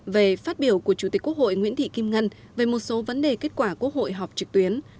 về phát biểu của chủ tịch quốc hội nguyễn thị kim ngân về một số vấn đề kết quả quốc hội họp trực tuyến